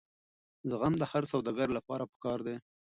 زغم د هر سوداګر لپاره پکار دی.